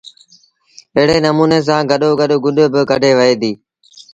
ايڙي نموٚني سآݩ گڏو گڏ گُڏ با ڪڍيٚ وهي ديٚ